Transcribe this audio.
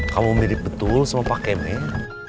kamu mirip betul sama pak kemen